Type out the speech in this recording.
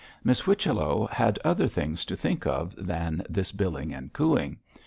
Miss Whichello had other things to think of than this billing and cooing.